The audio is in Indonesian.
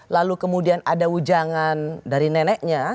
lalu kemudian ada ujangan dari neneknya